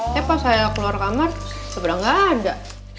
tapi pas saya keluar kamar sebenernya gak ada